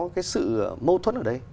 cái sự mâu thuẫn ở đây